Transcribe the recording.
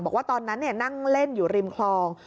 บอกว่าตอนนั้นนั่งเล่นอยู่ริมคลอง